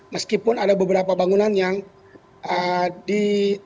meskipun ada beberapa bangunan yang di